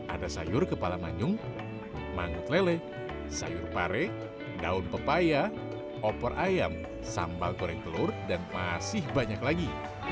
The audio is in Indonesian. ada sayur kepala manyung mangut lele sayur pare daun pepaya opor ayam sambal goreng telur dan masih banyak lagi